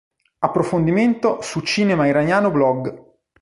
Approfondimento su Cinema Iraniano blog